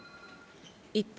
一方、